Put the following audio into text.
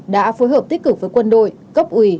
đã phối hợp tích cực với quân đội cấp ủy